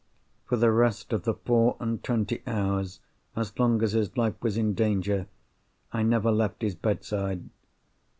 For the rest of the four and twenty hours, as long as his life was in danger, I never left his bedside.